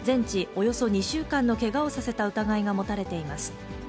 およそ２週間のけがをさせた疑いが持たれています。